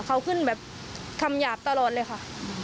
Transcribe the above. เขาขึ้นแบบคำหยาบตลอดเลยค่ะ